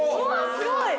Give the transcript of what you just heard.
◆すごい。